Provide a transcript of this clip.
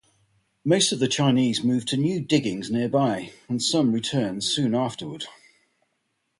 Most of the Chinese moved to new diggings nearby, and some returned soon afterward.